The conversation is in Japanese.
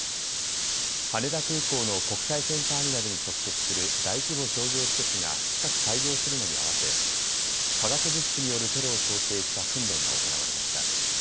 羽田空港の国際線ターミナルに直結する大規模商業施設が近く開業するのに合わせ化学物質によるテロを想定した訓練が行われました。